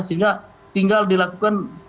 sehingga tinggal dilakukan